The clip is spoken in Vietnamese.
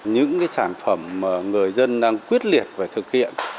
những sản phẩm mà người dân đang quyết liệt và thực hiện